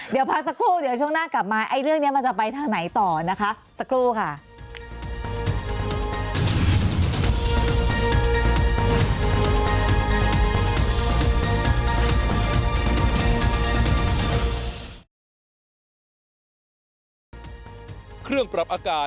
เดี๋ยวพักสักครู่เดี๋ยวช่วงหน้ากลับมาไอ้เรื่องนี้มันจะไปทางไหนต่อนะคะสักครู่ค่ะ